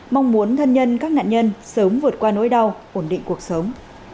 mong muốn thân nhân các nạn nhân sớm vượt qua nỗi đau ổn định cuộc sống